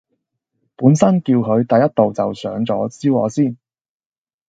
本身叫佢第一道就上左燒鵝先